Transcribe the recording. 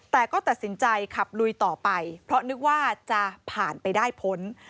แต่ก็ตัดสินใจขับลุยต่อไปเพราะนึกว่าจะผ่านไปได้พ้น